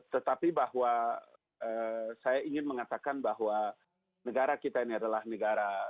tetapi bahwa saya ingin mengatakan bahwa negara kita ini adalah negara